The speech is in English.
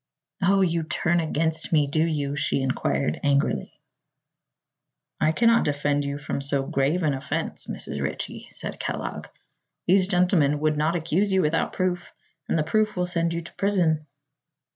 "Oh, you turn against me, do you?" she inquired angrily. "I cannot defend you from so grave an offense, Mrs. Ritchie," said Kellogg. "These gentlemen would not accuse you without proof, and the proof will send you to prison."